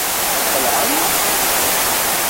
Tqelɛem.